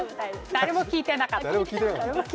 誰も聞いてなかった。